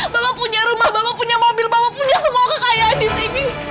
bapak punya rumah bapak punya mobil bapak punya semua kekayaan di sini